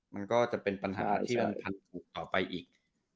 มันก็จะเป็นปัญหาที่ออกไปอีก